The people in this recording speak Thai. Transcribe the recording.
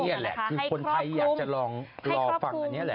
นี่แหละคือคนไทยอยากจะลองรอฟังอันนี้แหละ